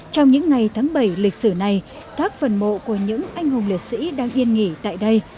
trong những ngày tháng bảy lịch sử này các phần mộ của những anh hùng liệt sĩ đang yên nghỉ tại đây